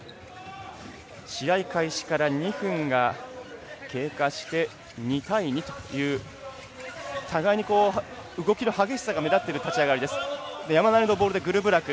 試合開始から２分が経過して２対２という互いに動きの激しさが目立つ立ち上がりです。